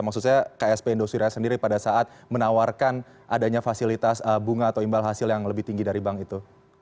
maksud saya ksp indosuria sendiri pada saat menawarkan adanya fasilitas bunga atau imbal hasil yang lebih tinggi dari bank itu